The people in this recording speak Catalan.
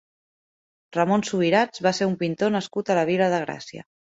Ramon Subirats va ser un pintor nascut a la Vila de Gràcia.